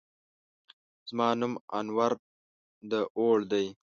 زما نوم انور داوړ دی.